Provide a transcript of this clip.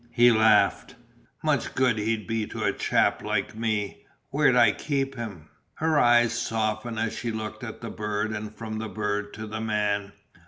He laughed. "Much good he'd be to a chap like me. Where'd I keep him?" Her eyes softened as she looked at the bird and from the bird to the man.